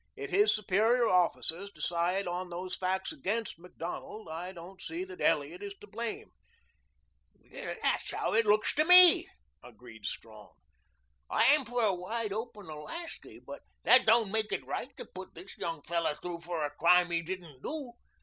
If his superior officers decide on those facts against Macdonald, I don't see that Elliot is to blame." "That's how it looks to me," agreed Strong. "I'm for a wide open Alaska, but that don't make it right to put this young fellow through for a crime he didn't do.